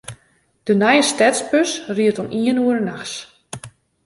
De nije stedsbus rydt oant iene oere nachts.